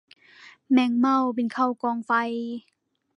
แมงเม่าบินเข้ากองไฟ